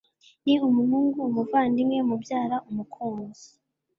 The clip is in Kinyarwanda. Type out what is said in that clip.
ni umuhungu, umuvandimwe, mubyara, umukunzi